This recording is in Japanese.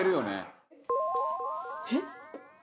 えっ？